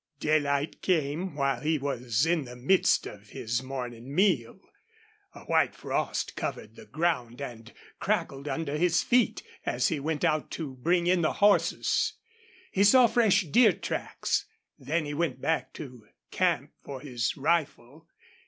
Daylight came while he was in the midst of his morning meal. A white frost covered the ground and crackled under his feet as he went out to bring in the horses. He saw fresh deer tracks. Then he went back to camp for his rifle.